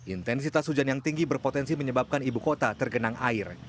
intensitas hujan yang tinggi berpotensi menyebabkan ibu kota tergenang air